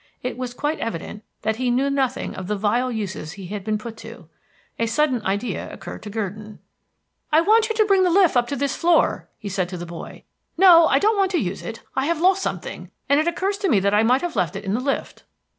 It was quite evident that he knew nothing of the vile uses he had been put to. A sudden idea occurred to Gurdon. "I want you to bring the lift up to this floor," he said to the boy. "No, I don't want to use it; I have lost something, and it occurs to me that I might have left it in the lift."